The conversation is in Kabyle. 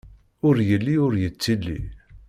Ur yelli ur yettili!